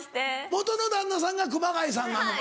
元の旦那さんが熊谷さんなのか。